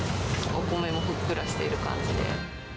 お米もふっくらしてる感じで。